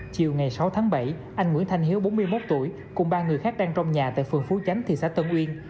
chiều ngày sáu tháng bảy anh nguyễn thanh hiếu bốn mươi một tuổi cùng ba người khác đang trong nhà tại phường phú chánh thị xã tân uyên